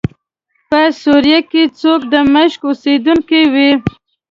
په سوریه کې څوک د دمشق اوسېدونکی وي.